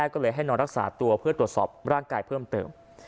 ก็เลยให้นอนรักษาตัวเพื่อตรวจสอบร่างกายเพิ่มเติม